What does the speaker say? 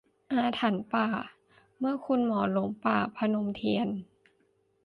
อาถรรพณ์ป่า : เมื่อคุณหมอหลงป่า - พนมเทียน